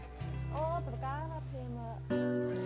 oh berkarat ya mbak